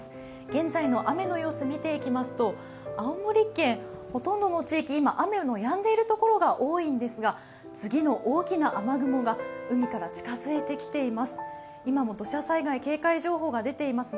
現在の雨の様子を見ていきますと青森県、ほとんどの地域、今、雨のやんでいる所が多いんですが、次の大きな雨雲が海から近づいてきています。